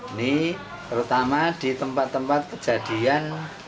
ini terutama di tempat tempat kejadian